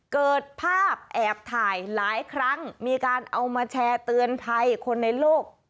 เกิดภาพแอบถ่ายหลายครั้งมีการเอามาแชร์เตือนภัยคนในโลก